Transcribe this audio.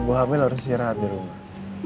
buah hp lu harus siarah hati rumah